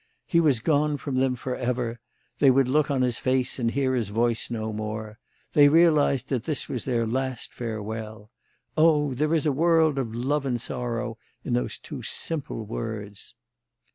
He was gone from them for ever; they would look on his face and hear his voice no more; they realised that this was their last farewell. Oh, there is a world of love and sorrow in those two simple words!"